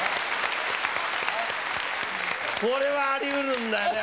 これはありうるんだよな。